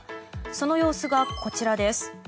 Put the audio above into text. その様子が、こちらです。